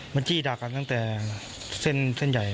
มันจี้ด่ากันตั้งแต่เส้นใหญ่